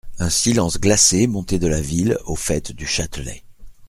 Un silence glacé montait de la ville au faite du Châtelet.